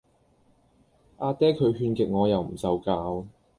啊爹佢勸極我又唔受教